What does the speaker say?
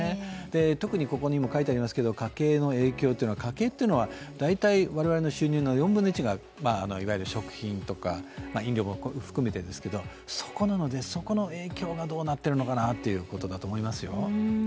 特に家計への影響というのは、大体我々の収入の４分の１がいわゆる食品とか飲料も含めてですけれども、そこなので、そこの影響がどうなっているのかなということだと思いますよ。